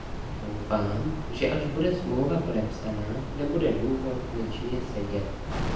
Doufám, že až bude Smlouva podepsaná, nebude důvod nečinně sedět.